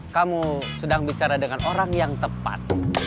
kamu sedang bicara dengan orang yang tepat